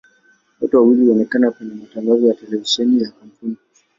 Wote wawili huonekana kwenye matangazo ya televisheni ya kampuni.